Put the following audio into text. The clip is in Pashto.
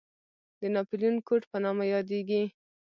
د ناپلیون کوډ په نامه یادېږي.